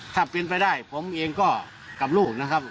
ถ้าเป็นไปได้ผมเองก็กับลูกนะครับ